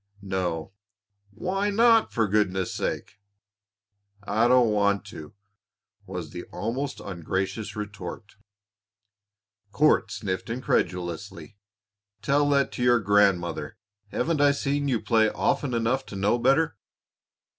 "No!" "Why not, for goodness' sake?" "I don't want to," was the almost ungracious retort. Court sniffed incredulously. "Tell that to your grandmother! Haven't I seen you play often enough to know better?